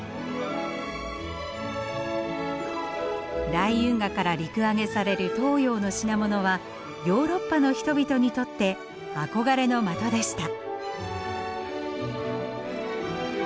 大運河から陸揚げされる東洋の品物はヨーロッパの人々にとって憧れの的でした。